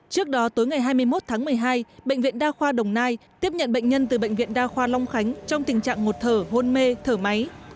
trước đó tối ngày hai mươi một tháng một mươi hai bệnh viện đa khoa đồng nai tiếp nhận bệnh nhân từ bệnh viện đa khoa long khánh trong tình trạng ngột thở hôn mê thở máy